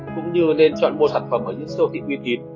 cũng như nên chọn mua sản phẩm ở những siêu thị uy tín